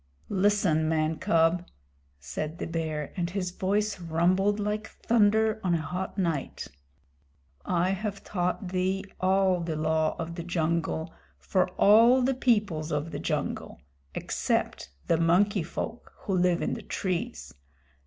"Listen, man cub," said the Bear, and his voice rumbled like thunder on a hot night. "I have taught thee all the Law of the Jungle for all the peoples of the jungle except the Monkey Folk who live in the trees.